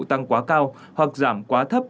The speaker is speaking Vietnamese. tăng quá cao hoặc giảm quá thấp